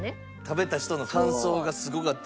食べた人の感想がすごかったです。